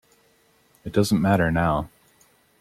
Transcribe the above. It doesn't matter now.